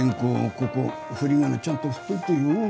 ここ振り仮名ちゃんと振っといてよ。